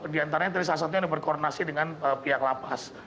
di antaranya yang terlihat salah satunya berkoordinasi dengan pihak lapas